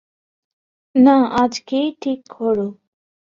না, আজকেই ঠিক করো।